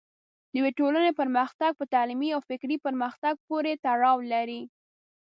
د یوې ټولنې پرمختګ په تعلیمي او فکري پرمختګ پورې تړاو لري.